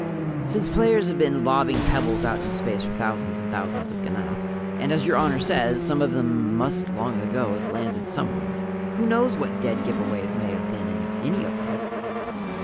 "Since players have been lobbing pebbles out into space for thousands and thousands of ganaths, and as Your Honor says, some of them must long ago have landed somewhere, who knows what dead give aways may have been in any of them?"